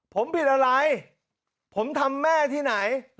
ผมผิดอะไรผมทำแม่ที่ไหน